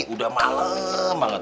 udah malem banget